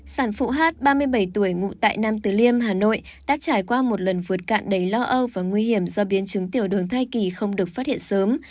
sản phụ hát ba mươi bảy tuổi ngụ tại nam tử liêm hà nội đã trải qua một lần vượt cạn đầy lo âu và nguy hiểm do biến chứng tiểu đường thai kỳ không được phát hiện sớm